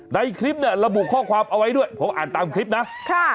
ในคลิปเนี่ยระบุข้อความเอาไว้ด้วยผมอ่านตามคลิปนะค่ะ